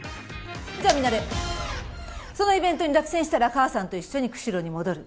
じゃあミナレそのイベントに落選したら母さんと一緒に釧路に戻る。